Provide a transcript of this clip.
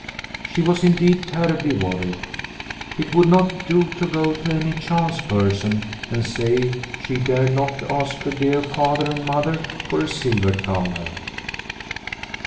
She was indeed terribly worried. It would not do to go to any chance person and say she dared not ask dear Father and Mother for a silver thaler.